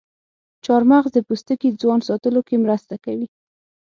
چارمغز د پوستکي ځوان ساتلو کې مرسته کوي.